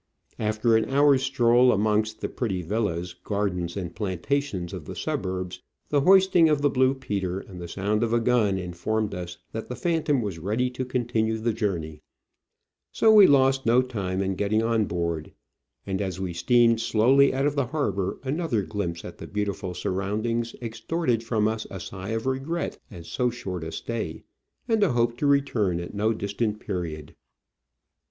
After an hours stroll amongst the pretty villas, gardens, and plantations of the suburbs, the hoisting of the blue peter and the sound of a gun informed us that the Phantom was ready to continue the journey ; so we lost no time in getting on board, and as we steamed slowly out of the harbour another glimpse at the beautiful surroundings extorted from us a sigh of regret at so short a stay, and a hope to return at no distant period.